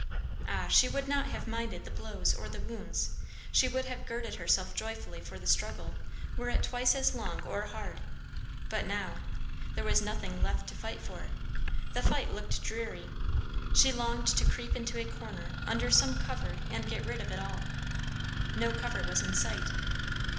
Ah, she would not have minded the blows or the wounds; she would have girded herself joyfully for the struggle, were it twice as long or hard; but now, there was nothing left to fight for. The fight looked dreary. She longed to creep into a corner, under some cover, and get rid of it all. No cover was in sight.